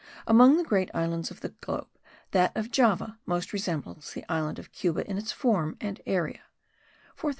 Among the great islands of the globe, that of Java most resembles the island of Cuba in its form and area (4170 square leagues).